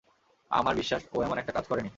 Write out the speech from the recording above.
আমার বিশ্বাস ও এমন একটা কাজ করেনি।